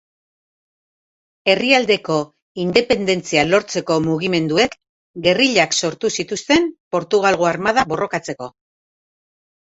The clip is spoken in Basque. Herrialdeko independentzia lortzeko mugimenduek gerrillak sortu zituzten Portugalgo Armada borrokatzeko.